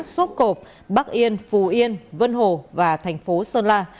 sốp cộp bắc yên phù yên vân hồ và thành phố sơn la